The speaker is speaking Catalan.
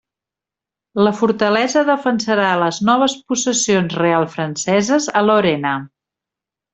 La fortalesa defensarà les noves possessions reals franceses a Lorena.